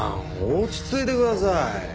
落ち着いてください。